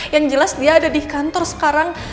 yang jelas dia ada di kantor sekarang